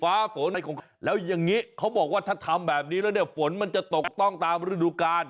ฟ้าฝนแล้วอย่างนี้เขาบอกว่าถ้าทำแบบนี้แล้วเนี่ยฝนมันจะตกต้องตามฤดูกาล